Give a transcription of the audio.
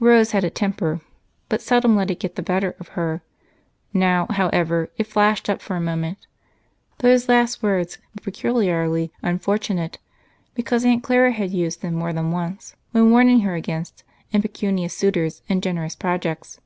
Rose had a temper, but seldom let it get the better of her; now, however, it flashed up for a moment. Those last words were peculiarly unfortunate, because Aunt Clara had used them more than once when warning her against impecunious suitors and generous projects.